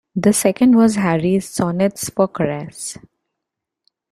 The second was Harry's "Sonnets for Caresse".